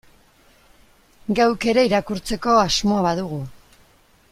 Geuk ere irakurtzeko asmoa badugu.